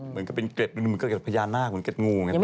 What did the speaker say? เหมือนกับเป็นเกร็ดหรือเป็นเกร็ดพญานาคเหมือนเกร็ดงูอย่างนี้